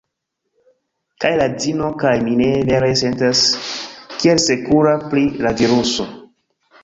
Kaj la edzino kaj mi ne vere sentas tiel sekura pri la viruso